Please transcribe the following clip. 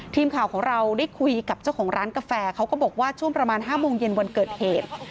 ทีมข่าวของเราได้คุยกับเจ้าของร้านกาแฟเขาก็บอกว่าช่วงประมาณ๕โมงเย็นวันเกิดเหตุ